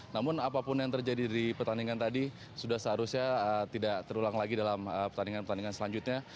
namun apapun yang terjadi di pertandingan tadi sudah seharusnya tidak terulang lagi dalam pertandingan pertandingan selanjutnya